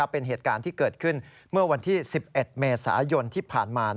เป็นเหตุการณ์ที่เกิดขึ้นเมื่อวันที่๑๑เมษายนที่ผ่านมา